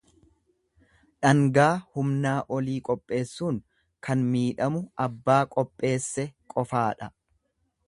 Dhangaa humnaa olii qopheessuun kan miidhamu abbaa qopheesse qofaadha.